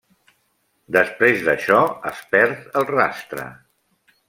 Després d'això es perd el rastre.